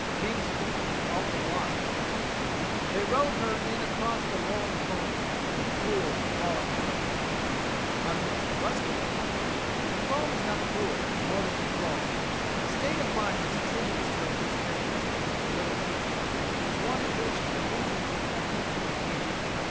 Kingsley, in "Alton Locke," says: "They rowed her in across the rolling foam The cruel crawling foam," on which Ruskin remarks, "The foam is not cruel, neither does it crawl. The state of mind which attributes to it these characteristics of a living creature is one in which the reason is unhinged by grief.